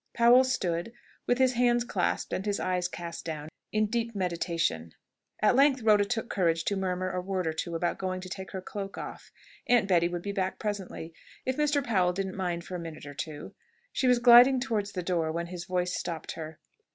Powell stood, with his hands clasped and his eyes cast down, in deep meditation. At length Rhoda took courage to murmur a word or two about going to take her cloak off. Aunt Betty would be back presently. If Mr. Powell didn't mind for a minute or two She was gliding towards the door, when his voice stopped her.